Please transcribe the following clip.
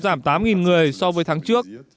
trong tháng tám giảm tám người so với tháng trước